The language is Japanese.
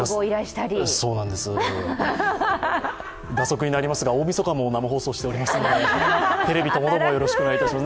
蛇足になりますが大みそかも生放送しておりますのでテレビともどもよろしくお願いします。